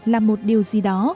là một điều gì đó